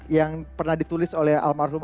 yang pernah ditulis oleh almarhum